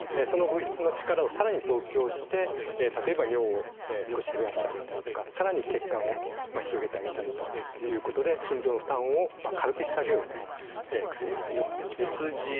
その物質の力をさらに増強して例えば尿を少し増やしてあげたりとかさらに血管を広げてあげたりということで心臓の負担を軽くしてあげようという薬になります。